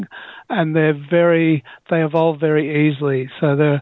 dan mereka berkembang dengan sangat mudah